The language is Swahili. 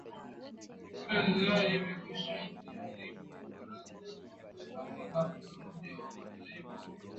serikali ya nigeria imekwisha liarifu baraza la usalama la umoja wa mataifa